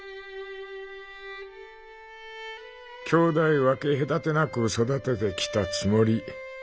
「兄弟分け隔てなく育ててきたつもり。